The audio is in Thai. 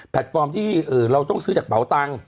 ฟอร์มที่เราต้องซื้อจากเป๋าตังค์